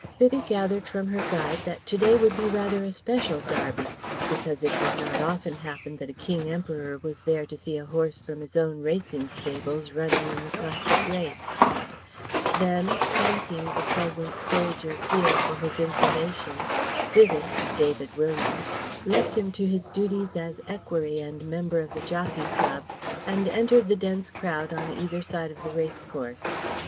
] Vivie gathered from her guide that to day would be rather a special Derby, because it did not often happen that a King Emperor was there to see a horse from his own racing stables running in the classic race. Then, thanking the pleasant soldier peer for his information, Vivie (David Williams) left him to his duties as equerry and member of the Jockey Club and entered the dense crowd on either side of the race course.